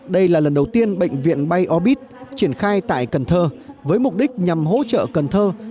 đây là lần đầu tiên bệnh viện bay aubit triển khai tại cần thơ với mục đích nhằm hỗ trợ cần thơ